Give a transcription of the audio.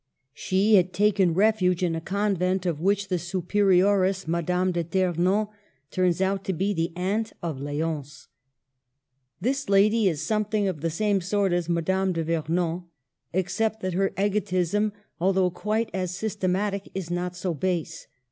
She had taken refuge in a convent of which the superioress, Madame de Ternan, turns out to be the aunt of Ldonce. This lady is some thing of the same sort as Madame de Vernon — except that her egotism, although quite as sys tematic, is not so base.